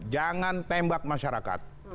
jangan tembak masyarakat